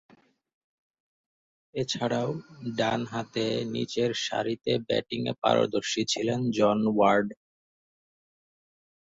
এছাড়াও, ডানহাতে নিচেরসারিতে ব্যাটিংয়ে পারদর্শী ছিলেন জন ওয়ার্ড।